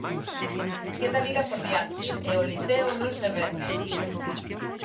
Queda Liga por diante e o Liceo non se rende.